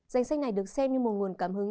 danh sách này được xem như một nguồn cảm hứng